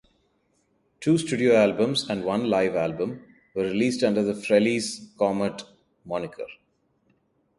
Two studio albums and one live album were released under the "Frehley's Comet" moniker.